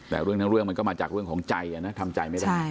แต่เรื่องทั้งเรื่องมันก็มาจากเรื่องของใจนะทำใจไม่ได้